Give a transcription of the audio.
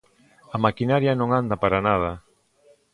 A maquinaria non anda para nada.